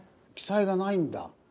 記載がないんだ？